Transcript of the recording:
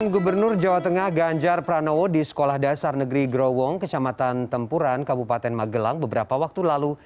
gubernur jawa tengah ganjar pranowo di sekolah dasar negeri growong kecamatan tempuran kabupaten magelang beberapa waktu lalu